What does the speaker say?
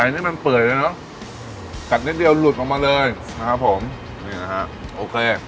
อันนี้มันเปื่อยแล้วเนอะกัดนิดเดียวหลุดออกมาเลยนะครับผมนี่นะฮะโอเค